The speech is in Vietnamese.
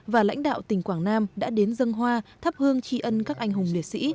và lãnh đạo tỉnh quảng nam đã đến dân hoa thắp hương tri ân các anh hùng liệt sĩ